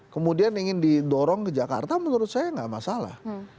kemudian ingin didorong ke jakarta menurut saya nggak masalah